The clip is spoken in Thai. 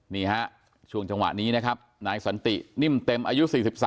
นี่ฮะช่วงจังหวะนี้นะครับนายสันตินิ่มเต็มอายุ๔๓